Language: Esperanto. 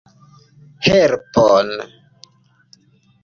Helpon!